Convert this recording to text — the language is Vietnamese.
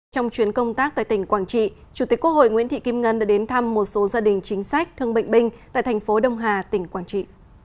trong chuyến công tác tại tỉnh quảng trị chủ tịch quốc hội nguyễn thị kim ngân đã đến thăm một số gia đình chính sách thương bệnh binh tại thành phố đông hà tỉnh quảng trị